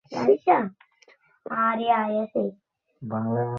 ইচ্ছা করলেই তিনি দিয়াশলাই জ্বালাতে পারেন।